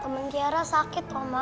temen tiara sakit oma